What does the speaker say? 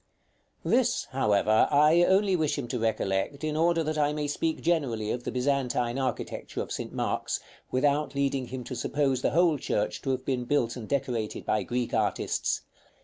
§ IX. This, however, I only wish him to recollect in order that I may speak generally of the Byzantine architecture of St. Mark's, without leading him to suppose the whole church to have been built and decorated by Greek artists.